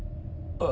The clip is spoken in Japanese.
あっ！